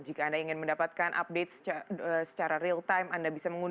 jika anda ingin mendapatkan update secara real time